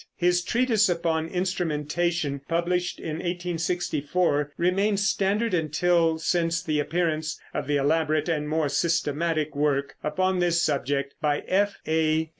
His treatise upon instrumentation, published in 1864, remained standard until since the appearance of the elaborate and more systematic work upon this subject by F.A.